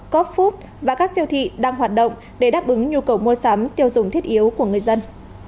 cop food và các siêu thị đang hoạt động để đáp ứng nhu cầu mua sắm tiêu dùng thiết yếu của người dân